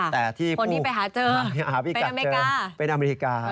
คนที่ไปหาเจอไปอเมริกา